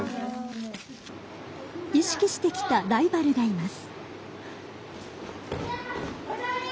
意識してきたライバルがいます。